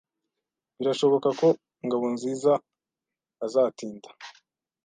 Birashoboka ko Ngabonzizaazatinda.